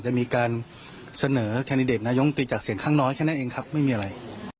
จะมีการเสนอแคนดิเดตนายมตรีจากเสียงข้างน้อยแค่นั้นเองครับไม่มีอะไร